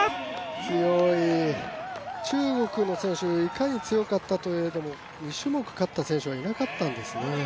強い、中国の選手、いかに強かったといえども２種目勝った選手はいなかったんですね。